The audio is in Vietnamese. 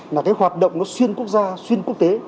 là cái hoạt động nó xuyên quốc gia xuyên quốc tế